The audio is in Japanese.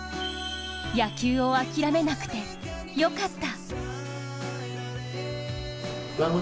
野球を諦めなくて良かった。